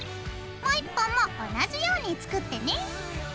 もう１本も同じように作ってね。